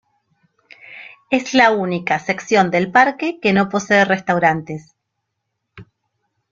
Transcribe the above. Es la única sección del parque que no posee restaurantes.